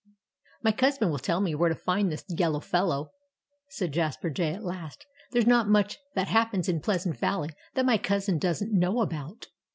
"My cousin will tell me where to find this yellow fellow," said Jasper Jay at last. "There's not much that happens in Pleasant Valley that my cousin doesn't know about."